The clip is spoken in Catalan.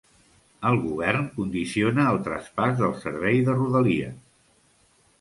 El govern condiciona el traspàs del servei de Rodalia